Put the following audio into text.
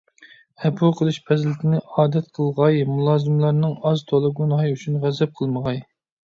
ئەپۇ قىلىش پەزىلىتىنى ئادەت قىلغاي، مۇلازىملارنىڭ ئاز - تولا گۇناھى ئۈچۈن غەزەپ قىلمىغاي.